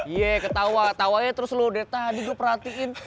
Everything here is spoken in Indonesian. iya ketawa tawainya terus lo dari tadi gue perhatiin